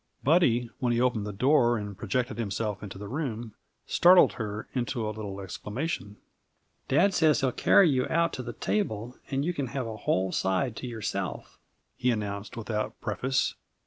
Buddy, when he opened the door and projected himself into the room, startled her into a little exclamation. "Dad says he'll carry you out to the table and you can have a whole side to yourself," he announced without preface.